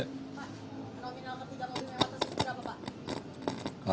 pak nominal ketiga mobil mewakilkan seberapa pak